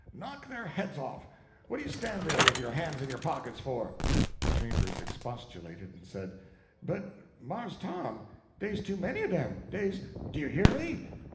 knock their heads off! What do you stand there with your hands in your pockets for?" Chambers expostulated, and said, "But, Marse Tom, dey's too many of 'em dey's " "Do you hear me?"